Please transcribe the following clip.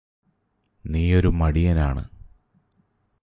നീയൊരു മടിയനാണ്